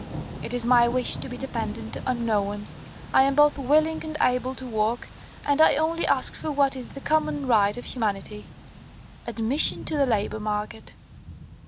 It is my wish to be dependent on no one. I am both willing and able to work, and I only ask for what is the common right of humanity, admission to the labour market.